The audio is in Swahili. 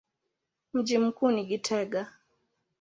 Mji mkuu ni Gitega.